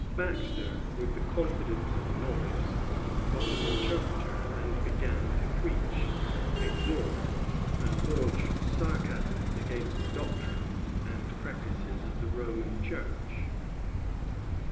Baxter, with the confidence of a novice, got an interpreter and began to preach, exhort, and launch sarcasms against the doctrines and practices of the Roman Church.